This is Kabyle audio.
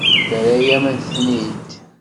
Terra-yam-ten-id.